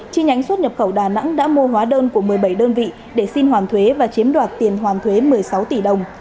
chi nhánh xuất nhập khẩu đà nẵng đã mua hóa đơn của một mươi bảy đơn vị để xin hoàn thuế và chiếm đoạt tiền hoàn thuế một mươi sáu tỷ đồng